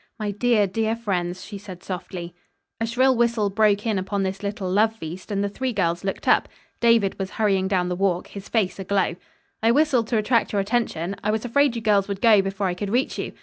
"My dear, dear friends," she said softly. A shrill whistle broke in upon this little love feast and the three girls looked up. David was hurrying down the walk, his face aglow. "I whistled to attract your attention. I was afraid you girls would go before I could reach you.